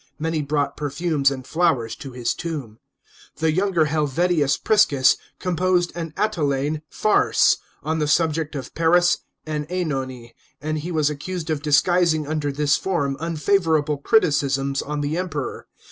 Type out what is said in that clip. Many brought perfumes and flowers to his tomb. The younger Helvidius Prisons composed an Atellnne farce on the subject of Paris and (Enone, and he was accused of disguising under this form unfavourable criticisms on the Emperor.